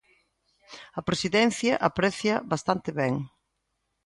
A Presidencia aprecia bastante ben.